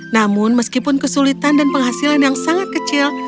namun meskipun kesulitan dan penghasilan yang sangat kecil